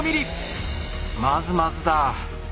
まずまずだ。